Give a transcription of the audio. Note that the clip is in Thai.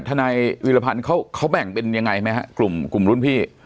ท่านายวิทยาภัณฑ์เขาเขาแม่งเป็นยังไงไหมฮะกลุ่มกลุ่มรุ่นพี่